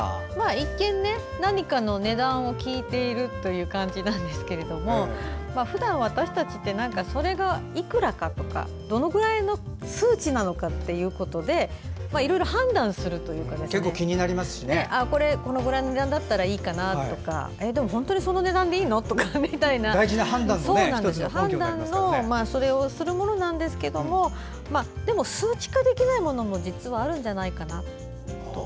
一見、何かの値段を聞いているという感じですがふだん私たちってそれがいくらだとかどのぐらいの数値なのかということでいろいろ判断するというかこのぐらいの値段ならいいなとか本当にその値段でいいの？とか判断をするものなんですがでも、数値化できないものも実はあるんじゃないかなと。